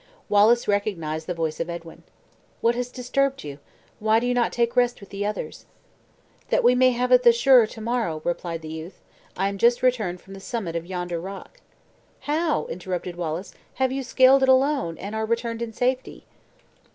Wallace recognized the voice of Edwin. "What has disturbed you? Why do you not take rest with the others?" "That we may have it the surer to morrow!" replied the youth. "I am just returned from the summit of yonder rock." "How!" interrupted Wallace; "have you scaled it alone, and are returned in safety?"